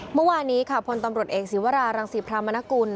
เมื่อวานนี้ค่ะพลตำรวจเอกศิวรารังศรีพรามนกุล